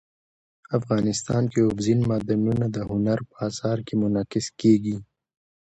افغانستان کې اوبزین معدنونه د هنر په اثار کې منعکس کېږي.